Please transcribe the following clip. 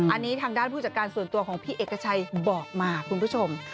อันนี้ทางด้านผู้จัดการส่วนตัวของพี่เอกชัยบอกมาคุณผู้ชม